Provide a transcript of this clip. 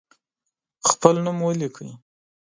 خپل نوم ولیکئ.